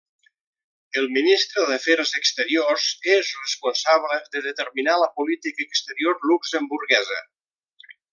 El ministre d'Afers Exteriors és responsable de determinar la política exterior luxemburguesa.